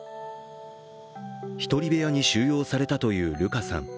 １人部屋に収容されたというルカさん。